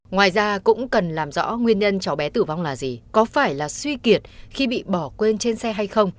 ngoài ra cũng cần làm rõ nguyên nhân cháu bé tử vong là gì có phải là suy kiệt khi bị bỏ quên trên xe hay không